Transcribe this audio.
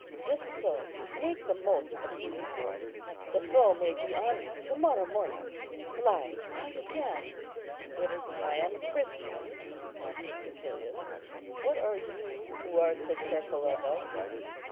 If so, make the most of these hours. The foe may be on you to morrow morning. Fly while you can." "If I am a Christian," answered Cæcilius, "what are you who are so careful of us?